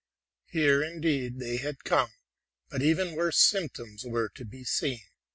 Here, indeed, they had come; but even worse symptoms were to be seen.